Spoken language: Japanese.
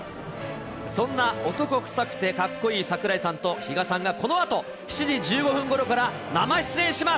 そんな男くさくて、かっこいい櫻井さんと比嘉さんがこのあと、７時１５分ごろから生出演します。